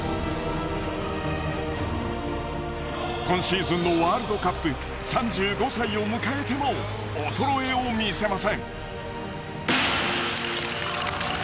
今シーズンのワールドカップ３５歳を迎えても衰えを見せません。